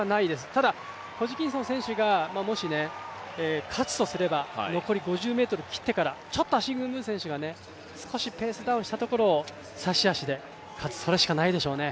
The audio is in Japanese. ただ、ホジキンソン選手がもし勝つとすれば、残り５０ｍ切ってから、ちょっとアシング・ムー選手がペースダウンしたところを、差し足で勝つ、それしかないでしょうね。